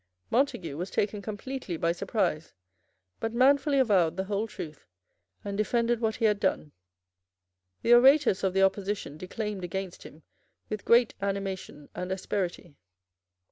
Montague was taken completely by surprise, but manfully avowed the whole truth, and defended what he had done. The orators of the opposition declaimed against him with great animation and asperity.